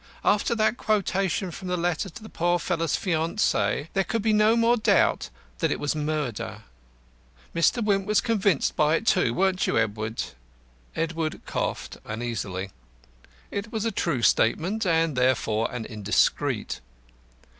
After that quotation from the letter to the poor fellow's fiancée there could be no more doubt but that it was murder. Mr. Wimp was convinced by it too, weren't you, Edward?" Edward coughed uneasily. It was a true statement, and therefore an indiscreet.